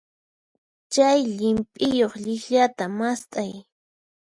Chay llimp'iyuq llikllata mast'ay.